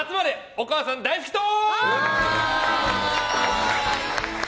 お母さん大好き党。